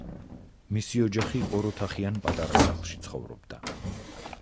მისი ოჯახი ორ ოთახიან პატარა სახლში ცხოვრობდა.